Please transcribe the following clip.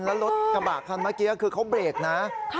แล้วรถกระบะคันเมื่อกี้คือเขาเบรกนะ